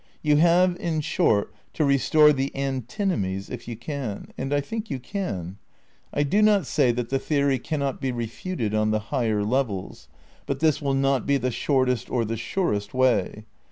You have, in short, to restore the antinomies, if you can. And I think you can. I do not say that the theory cannot be refuted on the higher levels, but this will not be the shortest or the surest way.